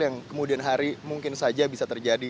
yang kemudian hari mungkin saja bisa terjadi